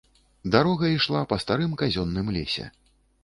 Дарога ішла па старым казённым лесе.